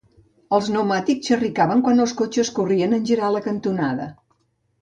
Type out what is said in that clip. Els neumàtics xerricaven quan els cotxes corrien en girar la cantonada.